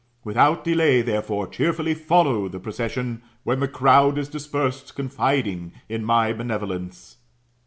Without delay, therefore, cheerfully follow the procession when the crowd is dispersed, confiding in my benevolence.